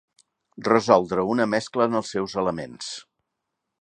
Resoldre una mescla en els seus elements.